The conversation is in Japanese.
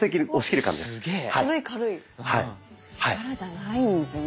力じゃないんですね。